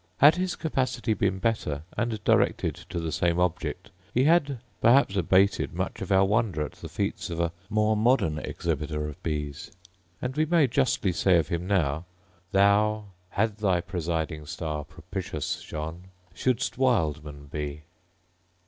Had his capacity been better, and directed to the same object, he had perhaps abated much of our wonder at the feats of a more modern exhibitor of bees; and we may justly say of him now, … Thou, Had thy presiding star propitious shone, Should'st Wildman be.